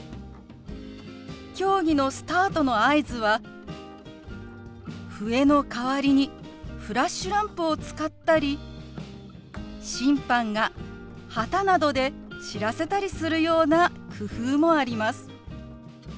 競技のスタートの合図は笛の代わりにフラッシュランプを使ったり審判が旗などで知らせたりするような工夫もあります。